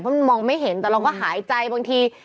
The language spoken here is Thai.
เพราะมันมองไม่เห็นแต่เราก็หายใจบางที